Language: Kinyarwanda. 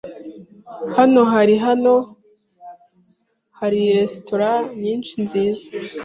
Hano hari hano hari resitora nyinshi nziza.